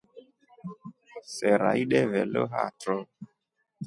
Sera ideve lo hatro.